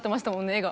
絵が。